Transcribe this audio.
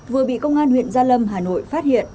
vừa bị công an huyện gia lâm hà nội phát hiện